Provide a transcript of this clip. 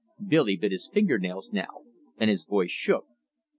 Billy bit his finger nails now, and his voice shook.